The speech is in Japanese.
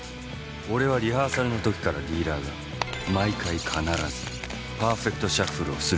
俺はリハーサルのときからディーラーが毎回必ずパーフェクトシャッフルをすることに気付いていた。